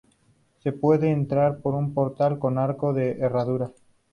Se puede entrar por un portal con arco de herradura.